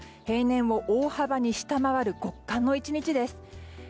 平年を大幅に下回る極寒の１日です。